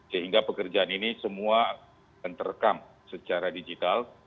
sehingga pekerjaan ini semua akan terekam secara digital